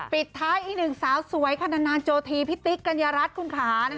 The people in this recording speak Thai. ปิดท้ายอีกหนึ่งสาวสวยขนาดนานโจทีพี่ติ๊กกัญญารัฐคุณค่ะ